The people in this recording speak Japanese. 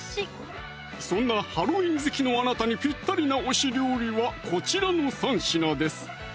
そんなハロウィン好きのあなたにぴったりな推し料理はこちらの３品です